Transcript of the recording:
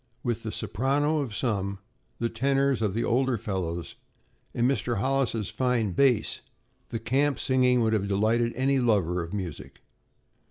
With the soprano of some, the tenors of the older fellows and Mr. Hollis' fine bass, the camp singing would have delighted any lover of music.